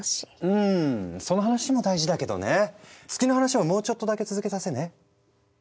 うんその話も大事だけどね月の話ももうちょっとだけ続けさせてね。